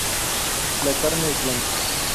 La carne es blanca.